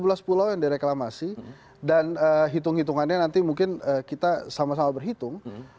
ada dua belas pulau yang direklamasi dan hitung hitungannya nanti mungkin kita sama sama berhitung